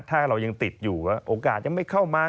ถ้าเรายังติดอยู่โอกาสยังไม่เข้ามา